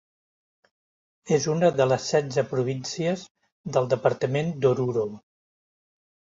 És una de les setze províncies del Departament d'Oruro.